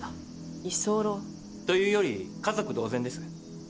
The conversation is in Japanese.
居候？というより家族同然です。